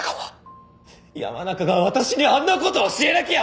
山中が私にあんな事教えなきゃ！